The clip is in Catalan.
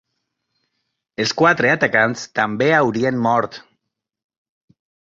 Els quatre atacants també haurien mort.